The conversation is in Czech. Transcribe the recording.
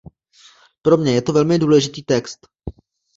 Pro mě je to velmi důležitý text.